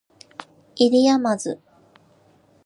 不入斗